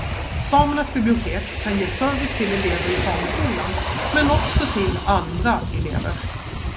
Samernas bibliotek kan ge service till elever i sameskolan, men också till andra elever.